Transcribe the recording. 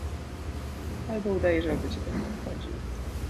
» Albo udajesz, albo cię to nie obchodzi.